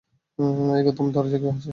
এই গৌতম, দরজায় কেউ আছে।